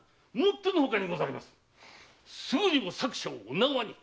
すぐにも作者をお縄に！